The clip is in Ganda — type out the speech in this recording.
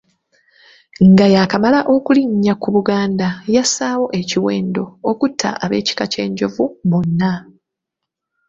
Nga yaakamala okulinnya ku Buganda, yassaawo ekiwendo okutta ab'ekika ky'Enjovu bonna.